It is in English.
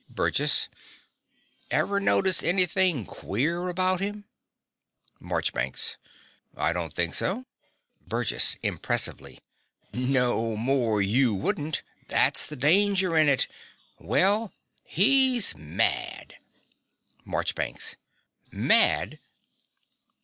BURGESS. Ever notice anything queer about him? MARCHBANKS. I don't think so. BURGESS (impressively). No more you wouldn't. That's the danger in it. Well, he's mad. MARCHBANKS. Mad!